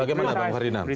bagaimana pak mbak fardinat